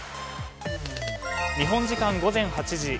日本時間午前８時。